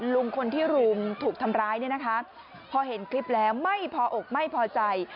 ลุงคนที่รุมถูกทำร้ายเนี่ยนะคะพอเห็นคลิปแล้วไม่พออกไม่พอใจ